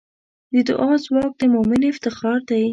د دعا ځواک د مؤمن افتخار دی.